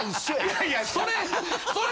いやいやそれ！